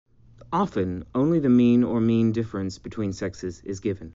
Often only the mean or mean difference between sexes is given.